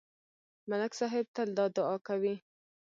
ملک صاحب تل دا دعا کوي.